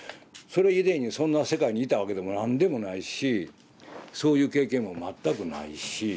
それ以前にそんな世界にいたわけでも何でもないしそういう経験も全くないし。